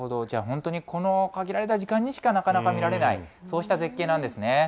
じゃあ本当にこの限られた時間にしかなかなか見られない、そうした絶景なんですね。